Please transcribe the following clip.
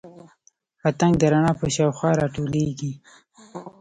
پتنګ د رڼا په شاوخوا راټولیږي